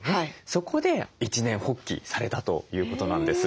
そこで一念発起されたということなんです。